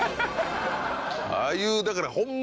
ああいうだからホンマ